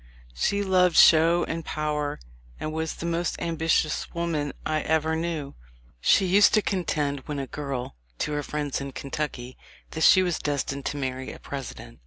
She loved show and power, and was the most ambi tious woman I ever knew. She used to contend when a girl, to her friends in Kentucky, that she was destined to marry a President.